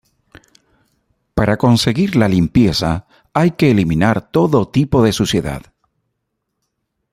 Para conseguir la "limpieza" hay que eliminar todo tipo de suciedad.